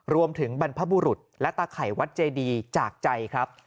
บรรพบุรุษและตาไข่วัดเจดีจากใจครับ